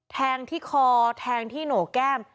แทงที่คอแทงที่โหนกแก้ม